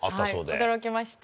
はい驚きました。